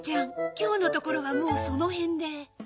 今日のところはもうその辺で。